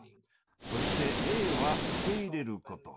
そしてＡは受け入れること。